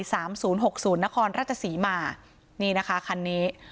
สามศูนย์หกศูนย์นครราชศรีมานี่นะคะคันนี้